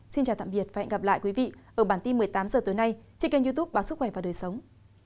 xin chào tạm biệt và hẹn gặp lại quý vị ở bản tin một mươi tám h tối nay trên kênh youtube báo sức khỏe và đời sống